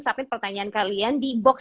submit pertanyaan kalian di box